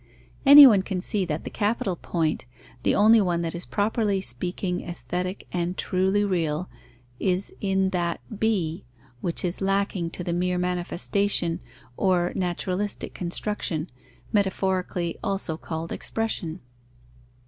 Anyone can see that the capital point, the only one that is properly speaking aesthetic and truly real, is in that b, which is lacking to the mere manifestation or naturalistic construction, metaphorically also called expression.